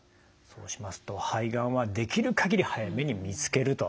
そうしますと肺がんはできる限り早めに見つけると。